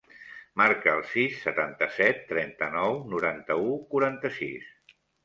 Marca el sis, setanta-set, trenta-nou, noranta-u, quaranta-sis.